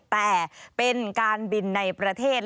แต่เป็นการบินในประเทศ